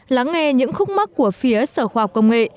lắng nghe những khúc mắt của phía sở khoa học công nghệ